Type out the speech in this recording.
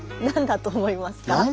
何だと思いますか？